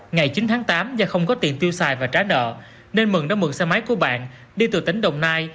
ngày chín tháng tám do không có tiền tiêu xài và trả nợ nên mừng đã mượn xe máy của bạn đi từ tỉnh đồng nai